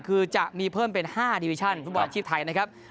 คือจะมีเพิ่มเป็น๕ดิวิชั่นฟุตบอลชีพไทยนะครับ